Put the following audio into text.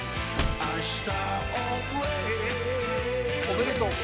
おめでとう。